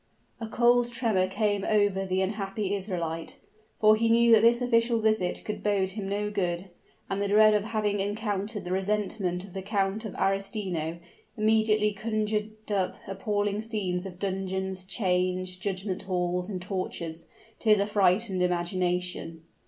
A cold tremor came over the unhappy Israelite, for he knew that this official visit could bode him no good: and the dread of having encountered the resentment of the Count of Arestino, immediately conjured up appalling scenes of dungeons, chains, judgment halls and tortures, to his affrighted imagination.